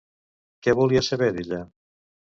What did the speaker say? Què volia saber d'ella?